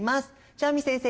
汐見先生